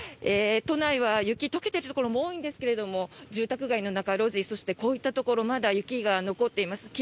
都内は雪が解けているところも多いんですが住宅街の中、路地そしてこういったところまだ雪が残っています。